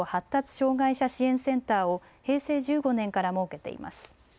障害者支援センターを平成１５年から設けています。